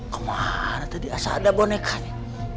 kemana tadi asal ada bonekanya